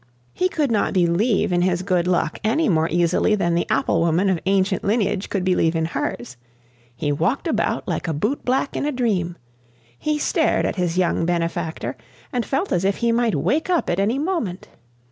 He could not believe in his good luck any more easily than the apple woman of ancient lineage could believe in hers; he walked about like a boot black in a dream; he stared at his young benefactor and felt as if he might wake up at any moment.